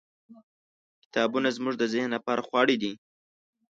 . کتابونه زموږ د ذهن لپاره خواړه دي.